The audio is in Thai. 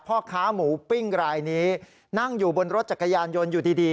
พ่อค้าหมูปิ้งรายนี้นั่งอยู่บนรถจักรยานยนต์อยู่ดี